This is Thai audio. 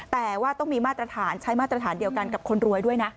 แต่ว่าต้องมีมาตรฐานใช้มาตรฐานเดียวกันกับคนรวยด้วยนะ